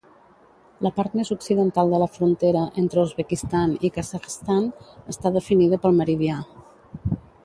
La part més occidental de la frontera entre Uzbekistan i Kazakhstan està definida pel meridià.